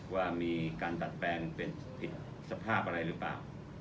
ว่ามีการดัดแปลงเป็นผิดสภาพอะไรหรือเปล่า